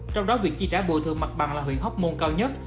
trong đó việc chi trả bồi thường mặt bằng là huyện hóc môn cao nhất